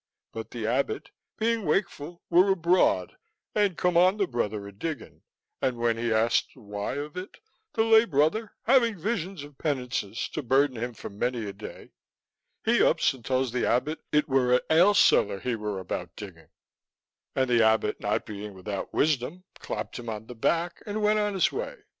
But the Abbott, being wakeful, were abroad and come on the brother a digging, and when he asked the why of it, the lay brother having visions of penances to burden him for many a day, he ups and tells the Abbott it were a ale cellar he were about digging, and the Abbott, not being without wisdom, clapped him on the back, and went on his way.